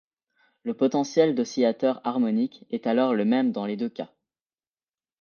Le potentiel d'oscillateur harmonique est alors le même dans les deux cas.